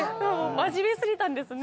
真面目過ぎたんですね